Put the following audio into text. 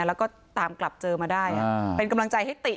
แล้วก็ตามกลับเจอมาได้